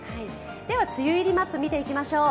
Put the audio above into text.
では、梅雨入りマップを見ていきましょう。